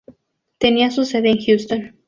Tenía su sede en Houston.